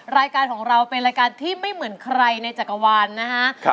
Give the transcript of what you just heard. รายการของเราเป็นรายการที่ไม่เหมือนใครในจักรวาลนะฮะ